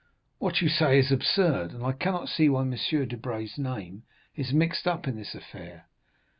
"What you say is absurd, and I cannot see why M. Debray's name is mixed up in this affair."